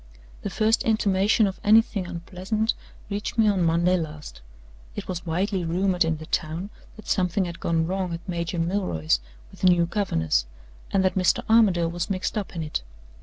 "The first intimation of anything unpleasant reached me on Monday last. It was widely rumored in the town that something had gone wrong at Major Milroy's with the new governess, and that Mr. Armadale was mixed up in it.